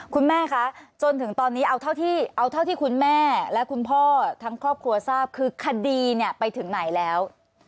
คุณแม่คะจนถึงตอนนี้เอาเท่าที่คุณแม่และคุณพ่อทั้งครอบครัวทราบคือคดีเนี่ยไปถึงไหนแล้ว